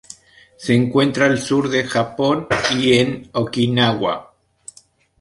Se encuentra al sur del Japón y en Okinawa.